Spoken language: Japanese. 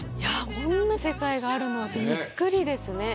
こんな世界があるのはビックリですね